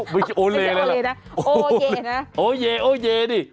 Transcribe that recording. ไม่ใช่โอเล่นะโอเย่นะโอเย่โอเย่นี่